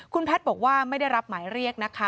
คุณแพทย์บอกว่าไม่ได้รับหมายเรียกนะคะ